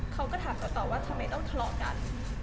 เขาก็ถามต่อว่าทำไมต้องทะเลาะกัน